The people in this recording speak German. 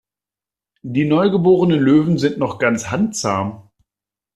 Die neugeborenen Löwen sind noch ganz handzahm.